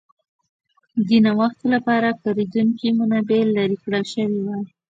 د نوښت لپاره کارېدونکې منابع لرې کړل شوې وای.